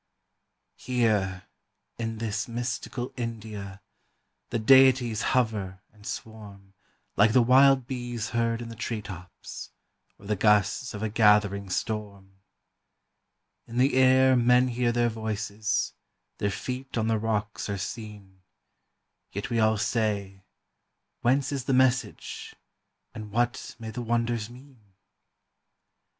Here, in this mystical India, the deities hover and swarm Like the wild bees heard in the tree tops, or the gusts of a gathering storm; In the air men hear their voices, their feet on the rocks are seen, Yet we all say, "Whence is the message, and what may the wonders mean?"